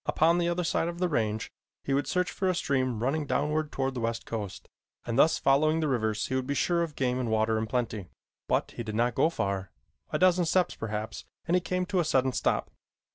Upon the other side of the range he would search for a stream running downward toward the west coast, and thus following the rivers he would be sure of game and water in plenty. But he did not go far. A dozen steps, perhaps, and he came to a sudden stop.